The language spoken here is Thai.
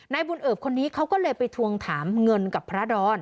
บุญเอิบคนนี้เขาก็เลยไปทวงถามเงินกับพระดอน